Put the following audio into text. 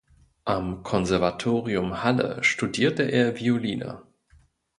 Am Konservatorium Halle studierte er Violine.